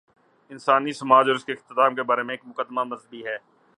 انسانی سماج اور اس کے اختتام کے بارے میں ایک مقدمہ مذہبی ہے۔